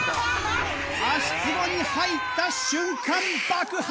足つぼに入った瞬間爆発！